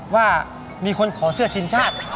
ว่ามีคนขอเสื้อทีมชาติ